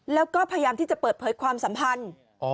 แล้วก็พยายามที่จะเปิดเผยความสัมพันธ์